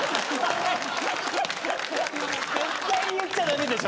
絶対言っちゃ駄目でしょ。